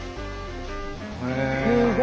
へえ。